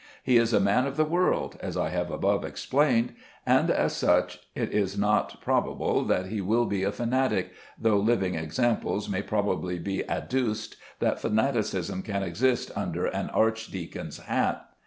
He is a man of the world, as I have above explained, and as such it is not probable that he will be a fanatic, though living examples may probably be adduced that fanaticism can exist under an archdeacon's hat.